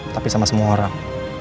tapi sama semua orang